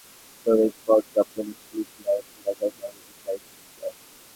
এতে সভাপতিত্ব করেন গার্মেন্টস শ্রমিক ফ্রন্ট গাবতলী-পুলিশ লাইন শাখার সভাপতি সাইফুল ইসলাম।